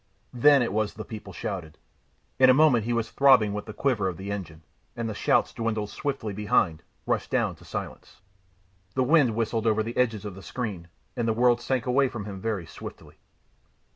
Then it was the people shouted. In a moment he was throbbing with the quiver of the engine, and the shouts dwindled swiftly behind, rushed down to silence. The wind whistled over the edges of the screen, and the world sank away from him very swiftly.